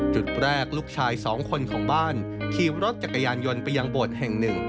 จุดแรกลูกชาย๒คนของบ้านขี่รถจักรยานยนต์ไปยังโบสถ์แห่งหนึ่ง